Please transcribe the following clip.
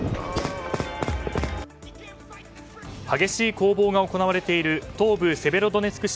激しい攻防が行われている東部セベロドネツク